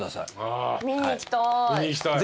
見に行きたい。